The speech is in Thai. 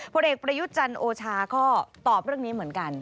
ผู้เด็กประยุจรรย์โอชาก็ตอบเรื่องนี้เหมือนกัน